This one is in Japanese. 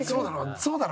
そうだろ？